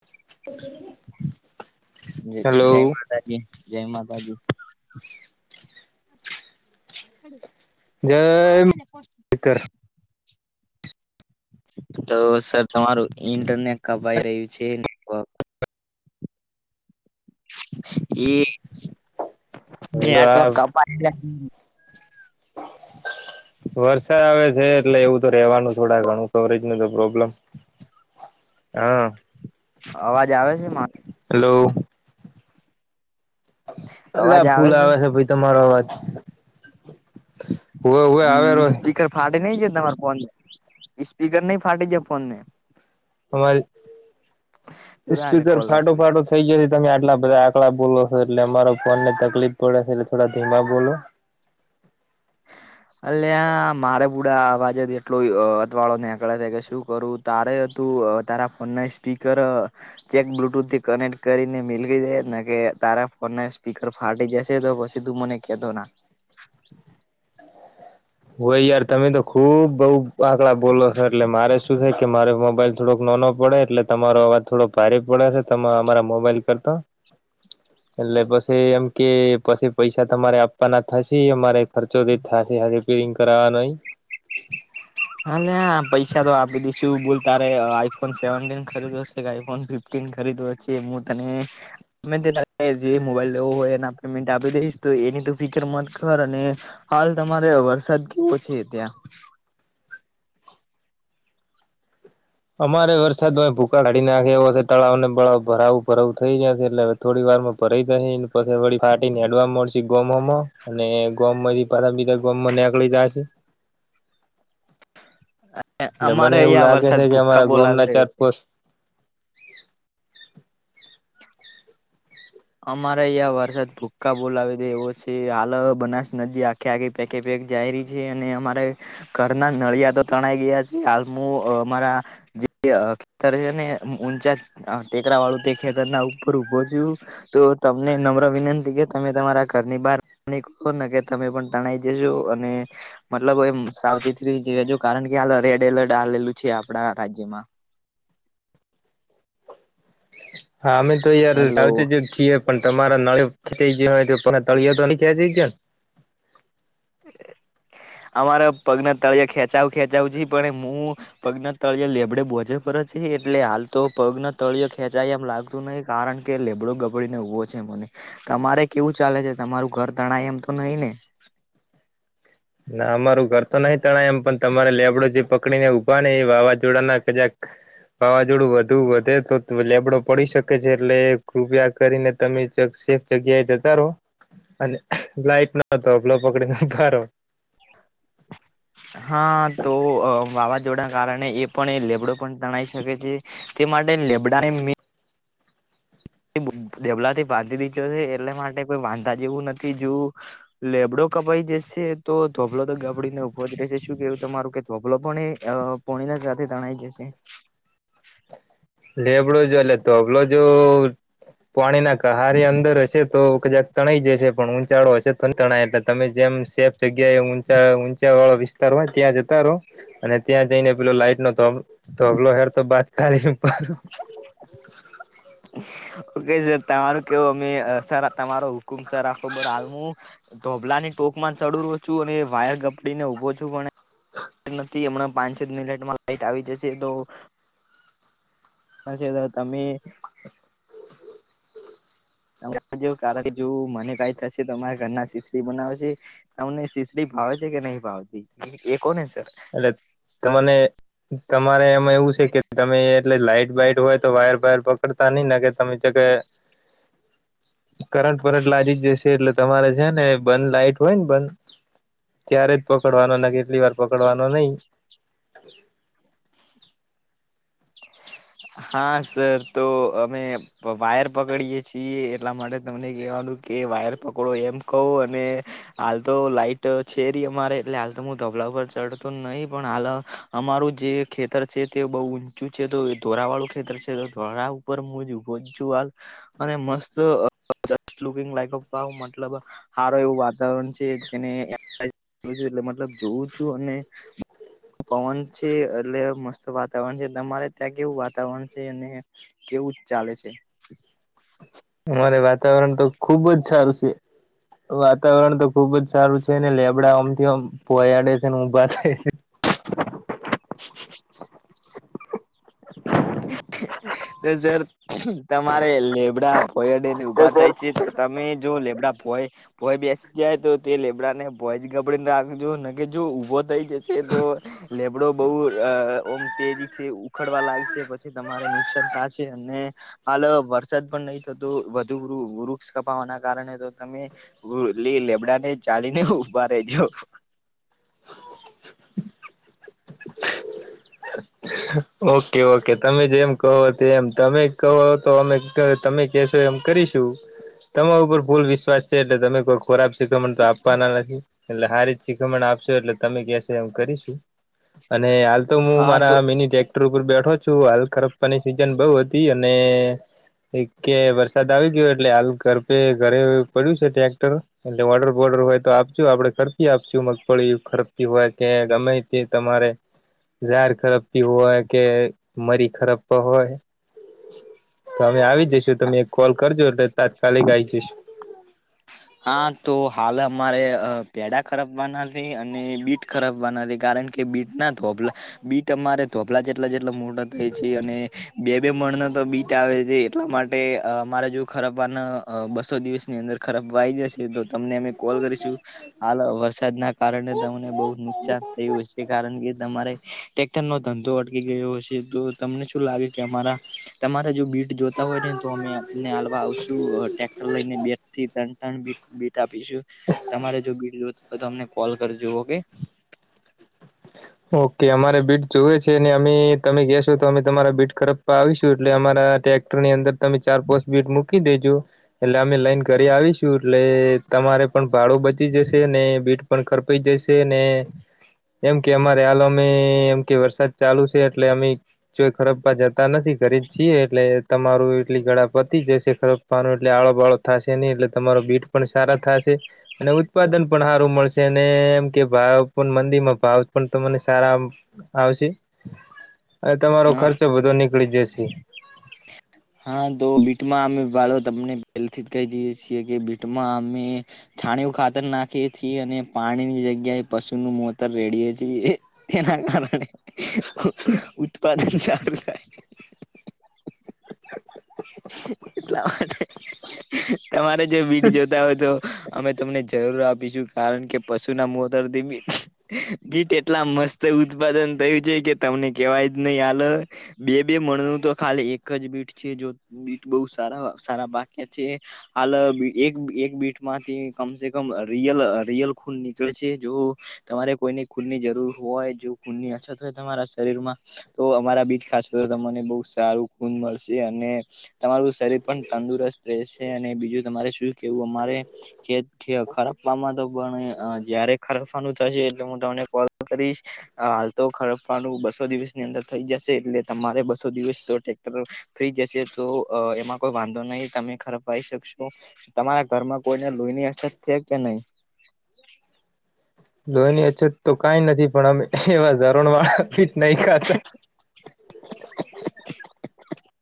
ઓ જય માતાજી. જય મિત્ર [unintelligible] તો સર તમારું ઇન્ટરનેટ કપાઈ રહ્યું છે. નેટવર્ક એ આ નેટવર્ક કપાઈ છે. વરસાદ આવે છે એટલે એવું તો રેવાનું થોડુ ઘણું. સ્ટોરેજ ન તો પ્રોબ્લેમ હા અવાજ આવે છે મા હેલો એટ આ ફૂલ આવે છે ભાઈ તમારો અવાજ હોવે હોવે આવે ઈ રો સ્પીકર ફાટે નઈ છે તમારા ફોન ને સ્પીકર નહી ફાટે છે ફોન ને અ લે સ્પીકર કોલ ફાટો રાખું. ફાટો થ થઈ ગયા તમે આટલા બધા આકડા બોલો છો એટલે અમારા ફોન ને તકલીફ પડે છે એટલે થોડા ધીમા બોલો અલે આ મારે બુડાા અવાજે એટલો અતવાળો ની આંકળે છે કે શું કરું તારે તું તારા ફોન ના સ્પીકર ચેક બ્લુટૂથ થી કનેક્ટ કરીને મી જાય ને કે તારા ફોન સ્પીકર ફાટી જશે તો પ સીધું મને કતોો ના હોય યાર તમે તો ખુબ બઉ આકડા બોલો છ એટલે મારે શું છે કે મારે મોબાઈલ થોડોક નો ન પડે એટલે તમારો અવાજ થોડોક ભારે પડે છે તમે અમારા મોબાઈલ કરતા એટલે પછી એમ કે પછી પૈસા તમારે આપવાના થશે અમારે ખર્ચો દે થશે હ રિપેરિંગ કરાવવા નહીં હા પૈસા તો આપી દીશું બોલ તારે આઈફોન સેવીન ખરીદ્યો છે આઈફોન ફફ કિગ ખરીદ હુંતને મે જે મોબાઈલ લેવો હોય એના પેમેન્ટ આપી દઈશ તો એની તો ફીચર મત કરર અને હાલ તમારે વરસાદ કેવો છે ત્યાં અમારે વરસાદમાં ભૂકાઢ હાડી નાખે એવો હશે તળાવ ને બળાવ ભરાવું ભરાવું થઈ જાયશે એટલે થોડી વાર ભરાઈ જ પછ વળી ફાટી ને એડવા મળશે ગમાં અને ગોમ માંથી પ્રથમ બીધ ગોમમાં નીકળી જશે એટલે અમારે મને એવું અહિયાં લાગે છે વરસાદ કે અમારા ભૂકાા ગોમના બોલાવી ચાર રહ્યો છે. પોસ્ટ અમારે અહં વરસાદ ભૂકા બોલાવી દે એવો છે હાલ બનાસ નદી આ ક્યાં ક પેકે પેક જાય રહી છે અને અમારે ઘરના નળિયા તો તણાઈ ગયા છે હાલ અમારા જે ખેત ને ઊંચા હ ટેકરા વાળું તે ખેતર ના ઉપર ઉભો છું. તો તમને નમ્ર વિનંતી કે તમે તમારા ઘરની બહાર ને કે તમે પણ તણાઈ જજો અને મતલબ એ સાવચથીજ કારણ કે રેડ એલર્ટ આવેલું છે આપણા રાજ્યમાં હા અમે તો યાર હેલો સાવચ જે છીએ પણ તમારા નળ થઈ ગ હોય તો તળિયા તો નહી ખ જઈ ગયા ને અમારા પગના તળિયા ખેંચાવ ખેંચાવું છ પણ હું પગના તળય લેબડે બોજે પર છે એટલે હાલ તો પગના તળિયો ખેંચાય એમ લાગ ું નહી કારણ કે લેબડો ગબડીને ઉવો છે મને તમારે કેવું ચાલે છે તમારું ઘર તણાય એમ તો નઈિ ને- ના અમારું ઘર તો નહી તણાય એમ પણ તમારે લેબડો જે પકડીને ઉઊભા ને એ વાવાઝોડાના કજાક વાવાઝોડું વધુ વધે તો લેબડો પડી શકે છે એટલે કૃપિયા કરીને તમેક જગ્યા જતાારો અને લાઈટ નતોલો પકડીને ઉભારો હા તો વાવાઝોડાના કારણે એ પણ એ લેબડો તણાઈ શકે છે તે માટે લેબડા મે દેબલા થી બાંધી દીધો છે એટલે માટે કોઈ વાંધા જેવું નથી જોવું લેબડો કપાઈ જશે તો ધોબલો તો ગાબડીને ઊભો જ રહેશે શું કેવું તમારું કે ધોબલો પણ એ પોણીના જ રાતે તણાય જશે લેબડો જો એટલે તોબલો જો પાણી ના કહારી અંદર હશે તો કજાક તણાઈ જશે પણ ઊંચાળો હશે તો તણાય એટલે તમે જેમ સેફ જગ્યા એ ઊંચા ઊંચા વાળો વિસ્તાર હોય ત્યાં જતા રહો અને ત્યાં જઈને પેલો લાઈટ નો ત તબલો હેર તો બાત તારી પર હ. ઓકે સર તમારું કેવું અમે તમારો હુકુમ સર આ ખબર હાલ મુ ધોભલાની ટોક માં ચડુરો છું અને વાયર ગપડી ને ઉઊભો છું પણ. નથી હમણાં પાંચ છ મિનિટમાં લાઈટ આવી જશે તો. ના તમે. કારણ કે જો મને કઈ થશે તો અરા ઘરના શિસરી બનાવશે. તમને શિસરી ભાવે છે કે નહી ભાવતી એ કોને છે. એટલે તને તમારે એમાં એવું છે કે તમે એટલે લાઈટ બાઈટ હોય તો વાયર વાયર પકડતા નઈ ને કે તમે જ કે કરંટ પરંટ લાદી જ જશે એટલે તમારે છે ને બંધ લાઈટ હોય ને બંધ. ત્યારેજ પકડવાનો કેટલી વાર પકડવાનો નઈ. હા સર તો અમે. વાયર પકડીએ છીએ એટલા માટે તમને કહેવાનું કે વાયર પકડો એમ કહું અને. હાલ તો લાઈટ છે ર અમારે એટલે હાલ તો હું ધબલા પર ચડતો નહીિ પણ હાલ અમારું જે ખેતર છે તે બહુ ઊંચું છે તો ધોરા વાળું ખેતર છે તો ધોરા ઉપર હુ ઉભો છુ. અને મસ્ત લકંગ લક મતલબ સારો એવું વાતાવરણ છે તેને એટ મતલબ જોઉું છું અને. પવન છે એટલે મસ્ત વાતાવરણ છે તમારે. ત્યાં કેવું વાતાવરણ છે અને કેવું ચાલે છે. અમારે વાતાવરણ તો ખુબજ સારું છે. વાતાવરણ તો ખુબજ સારું છે ને લેબડા અમથીમ પોયાડે છે ને ઉભા થાય. [inaudible] તો સર તમારે લેબડા પોયડને ઉઊભા થાય છે તો. તમે જો લેપટોપ હોય. ભય બેસી જાય તો તે લેબડા ને ભોય જ ગબડીને રાખજો કે જો ઊભો થઈ જશે તો. લેબડો બહુ ઓમ તેજીથી ઉખાડવા લાગશે પછી. તમારે નુકસાન થ છે અને. હાલ વરસાદ પણ નહી થતો વધુ વૃક્ષ કપાવાના કારણે તો તમે. લી લેબડાને ચાલી ને ઉઊભા રેજ. [inaudible] ઓકે ઓકે તમે જેમ. કહો તે એમ તમે કહો તો અમે તમે કેશો એમ કરીશું. તમારા ઉપર ભૂલ વિશ્વાસ છે એટલે તમે કોઈ ખોરાબ શિકખમણ તો આપવાના નથી. એટલે સારી શીખમણ આપશો એટલે તમે કશો એમ કરીશું અને. તો હું હા તો મારા મિની ટ્રેક્ટર ઉપર બેઠો છું હાલ ખરપવાની સિઝન બઉ હતી અને. એક કે વરસાદ આવી ગયો એટલે હાલ ઘરે ઘરે પડ્યું છે ટ્રેક્ટર. એટલે વોર્ડર બોર્ડર હોય તો આપજો આપણે ખરતી આપશું મગફળી ખરતી હોય કે ગમે. કે તમારે ઝાડ ખરાપી હોય કે મરી ખરાપવા હોય. તો અમે આવી જઈશું તમે એક કોલ કરજો એટલે તાત્કાલિક આવી જઈશું. હા તો હાલ અમારે પેડા ખરાબવાના છે અને બીટ ખરાબવાના છે કારણ કે. કે બીટ ના થ પેલા બીટ અમારે. તોપલા જેટલા જેટલા મોટા થાય છે અને બે બે મણનો તો બીટ આવે છે એટલા માટે અમારે જો. ખરાબ વારના બસો દિવસની અંદર ખરાબઈ જશે તો તમને અમે કોલ કરીશું. હાલ વરસાદના કારણે તમને બહુ નુકસાન થયું હ છે કારણ કે તમારે્રેક્ટર નો. ધંધો અટકી ગયો હશે તો તમને શું લાગે કે અમારા તમારા જો બીટ જો. તા હોય ને તો અમેને હલવા આવશું ટક્ટર લઈને બેથી ત. બેટ આપીશું તમારે જો બીટ તો તમને કોલ કરજો ઓકે. ઓકે અમારે બીટ જોુવે છે ને અમે તમે ગયાશો તો અમે તમારા બીટ ખપ આવીશું એટલે અમારા ટેક્સ. ની અંદર તમે ચાર પોસ્ટ બીટ મૂકી દેજો એટલે અમે લઈન કરી આવીશું એટલે તમારે પણ ભાડો બચી જશે ને બીટ પણ ખડપાઈ જશે ને એમ કે અમારે આલોમ કે વરસાદ ચાલુ છે એટલે અમે જો ખરપપા જતા નથી કરી જ છીએ એટલે તમારું એટલી ગળ પતી જશે ખર નું એટલે આળો બાળો થશે નહી એટલે તમારો બીટ પણ સારા થશે અને ઉત્પાદન પણ સારું મળશે એમ કે ભાવ પણ મંદીમાં ભાવ પણ તમને સારા આવશે અને તમારો હા ખર્ચો બધો નીકળી જશે [inaudible] હા તો બીટમાં અમે વાળો તમને પહેલેથી જ કહી જઈએ છીએ કે બીટમાં અમે છાણીું ખાતર નાખીએ છીએ અને પાણીની જગ્યાએ પશુ નું મોતર રેડીએ છીએ એના કારણે ઉત્પાદન સારું થાય [inaudible] એટલા માટે તમારે જો બીડ જો હોય તો અમે તમને જરૂર આપીશું કારણ કે પશુ ના મોતર ધીમી ગીટ એટલા મસ્ત ઉત્પાદન થયું છે કે તમને કેવાય જ નહી હાલ બે બે મળણનું તો ખાલી એક જ બીટ છે જો બીટ બહ સારા સારા બાક્યા છે હાલ એક એક બીટમાંથી કમસે કમ રિયલ રિયલ ખૂન નીકળે છે જો તમારે કોઈની ખૂનની જરૂર હોય જો ખૂનની અછત હોય તમારા શરીરમાં તો અમારા બીટ ખાસો તો તમને બહુ સારું ખૂન મળશે અને તમારું શરીર પણ તંદુરસ્ત રહે છે અને બીજું તમારે શું કેવું અમારે જે ખરાબ [unintelligible] તો પણ જયારે ખરાબ પાનું થશે એટલે હું તમને કોલ કરીશ હાલ તો ખરપવાનું બસો દિવસ ની અંદર થઇ જશે એટલે તમારે બસો દિવસ તો ફ્રી જશે તો એમાં કોઈ વાંધો નહી તમે ખરાપાઈ શકશો તમારા ઘરમાં કોઈને લોહીની અછત છે કે નહી લોહીની અછત તો કંઈ નથી પણ અમે એવા [unintelligible] [inaudible]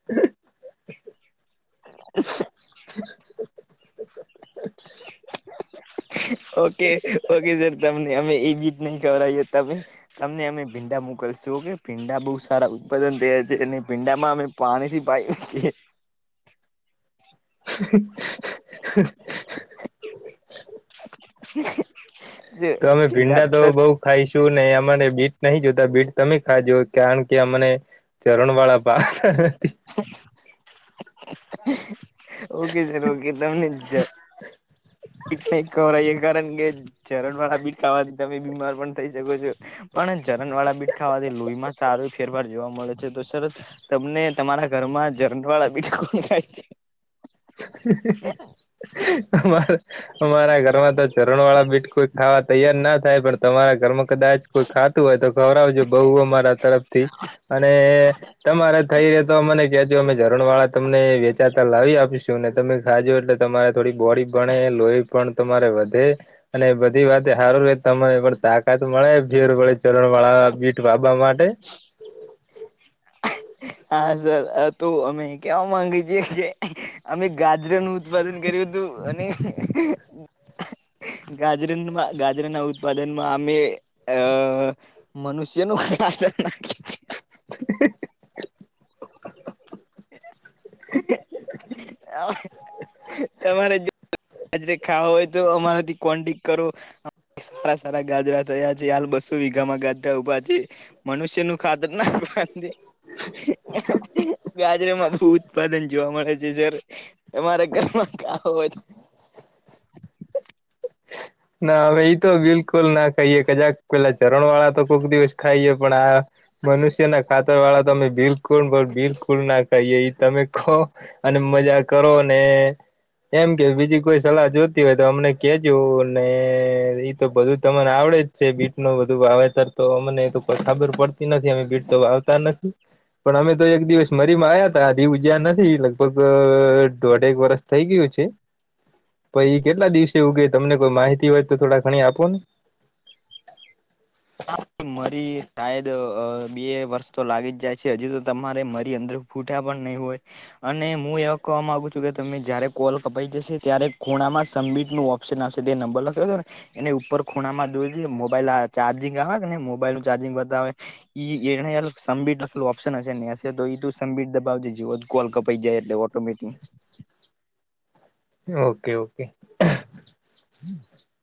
[inaudible] [inaudible] [inaudible] ઓકે ઓકે સર તમને અમે એ ગીત નહી ગવરાઈએ તમે તમને અમે ભીંડા મોકલશું ઓકે ભીંડા બહુ સારા ઉત્પાદન થયા છે અને ભીંડામાં અમે પાણીથી [unintelligible] [inaudible] [inaudible] તો અમે ભીંડા તો બઉુ ખાઈશું ને અમાને બીટ નહી જોતા બીટ તમે ખાજો કારણ કે અમને ચરણ વાળા [unintelligible] [inaudible] ઓકે સર ઓકે તમને [unintelligible] [unintelligible] રણ વાળા બીટ ખાવાથી તમે બીમાર પણ થઈ શકો છો. પણ ઝરણવાળા બીટ ખાવાથી લોહીમાં સારો ફેરફાર જોવા મળે છે તો સરસ તમને તમારા ઘરમાં ઝરણ વાળા બીજ કોણ ખાય છે [unintelligible] અમારા ઘરમાં તો ચરણ વાળા બીટ કોઈ ખાવા તૈયાર ના થાય પણ તમારા ઘરમાં કદાચ કોઈ ખાતું હોય તો ખવરાવજો બહુઓ મારા તરફથી અને તમારે થઈ રે તો મને કેજો અમે ઝરણ વાળા તમને વેચાતા લાવી આપીશું. શું ને તમે ખાજો એટલે તમારે થોડી બોડી ભણે લોહી પણ તમારે વધે. અને બધી વાત સારું રે તમને પણ તાકાત મળે ભેર વાડી ચરણ વાળા પીટ બાબા માટે. [inaudible] હા સર તો અમે કેવા માંગી છીએ કે અમે ગાજરનું ઉપાદન કર્યું હતું અને ગાજરમાં ગાજરના ઉત્પાદનમાં અમે અ મનુષ્યનું ક આચર નાખે છે. [inaudible] [inaudible] આજરે ખાવા હોય તો, અમારાથી કોડી કરો. સારા સારા ગાજરા થયા છે, હાલ બસો વીઘામાં ગાજરા ઉભા છે. મનુષ્ય નું ખાતર ના. ગાજરમાં બહ ઉત્પાદન જોવા મળે છે, સર [inaudible] ના હવે ઈ તો બિલકુલ ના ખાઈએ કજાક પેલા ચરણ વાળા તો કોઈક દિવસ ખાઈએ પણ આ મનુષ્ય ના ખાતર વાળા તોમે બિલકુલ પણ બિલકુલ ના ખાઈએ તમે ખો અને મજા કરો ને એમ કે બીજી કોઈ સલાહ જોતી હોય તો અમને કેજ ને એ તો બધું તને આવડે જ છે, બીટ નું બધું વાવેતર તો અમને તો કોઈ ખબર પડતી નથી અમે ભીટ તો આવતા નથી. પણ અમે તો એક દિવસ મરી મા આવયા હતા ઉજ્યા નથી લગભગ દોઢેક વરષ થઇ ગયું છે. [inaudible] પછી એ કેટલા દિવસ વું કે તમને કોઈ માહિતી હોય તો થોડા ઘણી આપો ને હા મારી સાયદ બે વર્ષ તો લાગી જ જાય છે. હજી તો તમારે મારી અંદર ફૂટા પણ નહી હોય. અને હું એવા કહવા માંગુ છું, કે તમે જયારે કોલ કપાઈ જશે ત્યારે ખૂણામાં સબમિટ ન ભુસી નાખશે તે નંબર લખાવ્યો હતો ને એને ઉપર ખૂણામાં જો મોબાઈલ ચાર્જિંગ આવે કે ને મોબાઈલનું ચાર્જિંગ બાતવે એને સમબીટ લખેલ ઓપ્ન હશે ને હશે તો એ સમીટ દબાવજે કોલ કપાઈ જાય એટલે. કમિટી. ઓકે-ઓકે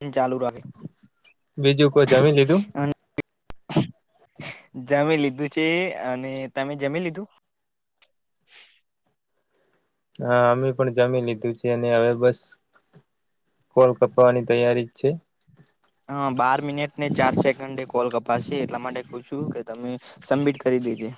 ઈ ચાલુ કર. બીજું કોઈ જમી લીધું? જમી લીધું છે, અને તમે જમી લીધું? હા અમે પણ જમી લીધું છે, અને હવે બસ કોલ કપવાની તૈયારી છે. હ બાર મિનિટ ને ચાર સેકન્ડે કોલ કપાશે એટલા માટે કૂ છું કે તમે. સબમિટ કરી દેજે.